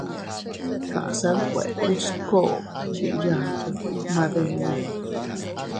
Kaʼsa dkuekus koo yiʼi yaaku gmadinnu.